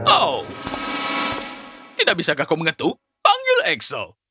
oh tidak bisa kakak mengetu panggil axel